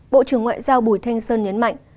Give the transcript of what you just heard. bộ trưởng ngoại giao bùi thanh sơn nhấn mạnh